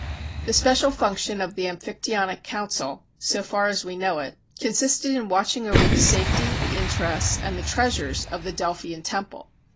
The special function of the Amphictyonic council, so far as we know it, consisted in watching over the safety, the interests, and the treasures of the Delphian temple.